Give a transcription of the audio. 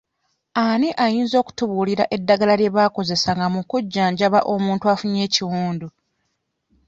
Ani ayinza okutubuulira eddagala lye baakozesanga mu kujanjaba omuntu afunye ekiwundu?